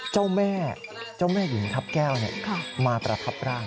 เจ้าแม่เจ้าแม่หญิงทัพแก้วมาประทับร่าง